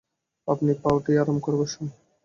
আপনি পা উঠিয়ে আরাম করে বসুন।